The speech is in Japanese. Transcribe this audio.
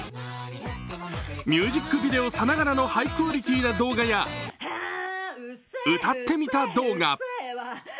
ミュージックビデオさながらのハイクオリティーな動画や歌ってみた動画。